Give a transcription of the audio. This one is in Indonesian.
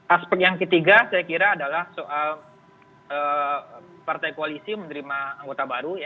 aspek yang ketiga saya kira adalah soal partai koalisi menerima anggota baru